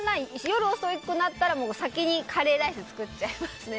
夜遅くなったら、先にカレーライス作っちゃいますね。